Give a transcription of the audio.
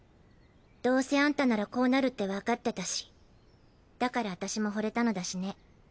どうせアンタならこうなるってわかってたしだから私も惚れたのだしね。